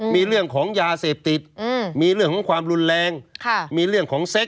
มีเรื่องของยาเสพติดมีเรื่องของความรุนแรงมีเรื่องของเซ็ต